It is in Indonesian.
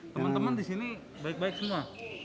teman teman di sini baik baik semua